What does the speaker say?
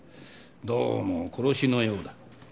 どうも殺しのようだ。